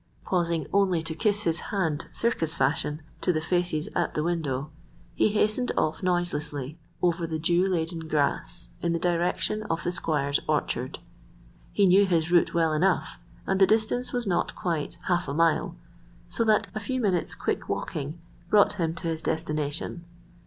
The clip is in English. Pausing only to kiss his hand circus fashion to the faces at the window, he hastened off noiselessly over the dew laden grass in the direction of the squire's orchard. He knew his route well enough, and the distance was not quite half a mile, so that a few minutes' quick walking brought him to his destination.